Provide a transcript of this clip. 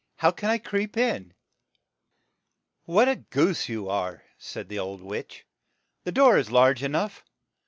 How can I creep in?' 1 "What a goose you are," said the old witch, "the door is large e nough.